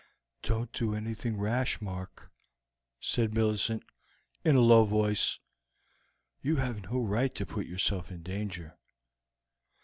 "Don't do anything rash, Mark," said Millicent, in a low voice; "you have no right to put yourself in danger."